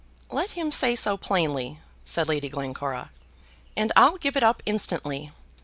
"Let him say so plainly," said Lady Glencora, "and I'll give it up instantly.